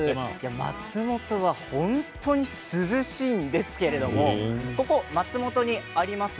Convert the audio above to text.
松本は本当に涼しいんですけれどもここ松本にあります